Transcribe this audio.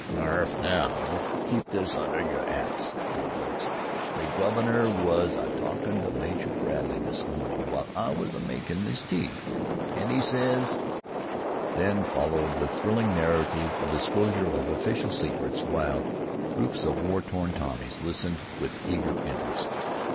"Nor 'arf! Now, keep this under yer 'ats, you blokes! My gov'nor was a talkin' to Major Bradley this mornin' w'ile I was a mykin' 'is tea, an' 'e says " Then followed the thrilling narrative, a disclosure of official secrets while groups of war worn Tommies listened with eager interest.